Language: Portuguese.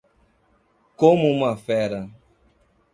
Como uma fera